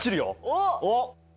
おっ！